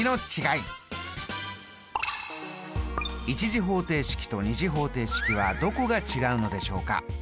１次方程式と２次方程式はどこが違うのでしょうか。